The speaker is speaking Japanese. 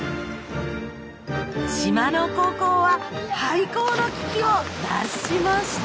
島の高校は廃校の危機を脱しました。